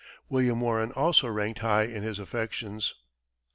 William Warren also ranked high in his affections.